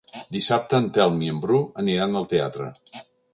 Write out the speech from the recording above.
Dissabte en Telm i en Bru aniran al teatre.